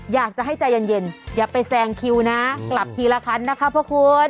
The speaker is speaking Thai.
อยากจะให้ใจเย็นอย่าไปแซงคิวนะกลับทีละคันนะคะพระคุณ